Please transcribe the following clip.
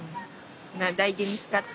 大事に使って。